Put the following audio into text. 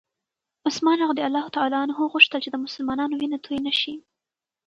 عثمان رض غوښتل چې د مسلمانانو وینه توی نه شي.